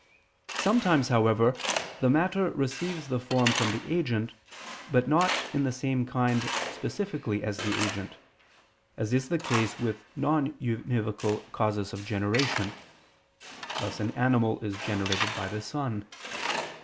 Sometimes, however, the matter receives the form from the agent, but not in the same kind specifically as the agent, as is the case with non univocal causes of generation: thus an animal is generated by the sun.